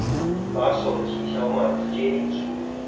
把手機條碼直接印出